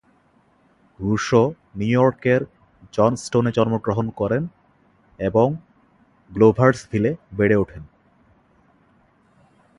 Russo New ইয়র্কের জনস্টনে জন্মগ্রহণ করেন এবং গ্লোভার্সভিলে বেড়ে ওঠেন।